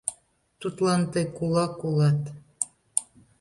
Тудлан тый кулак улат...